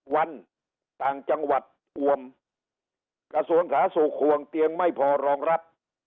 วันต่างจังหวัดอวมกระทรวงสาธาสุขห่วงเตียงไม่พอรองรับ